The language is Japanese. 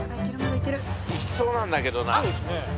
いきそうなんだけどな。